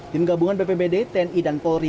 tim gabungan bpbd tni dan polri